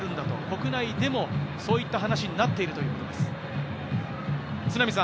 と国内でもそういった話になっているということです。